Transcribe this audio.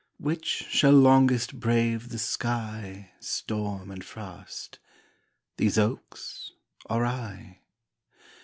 Which shall longest brave the sky, Storm and frost these oaks or I?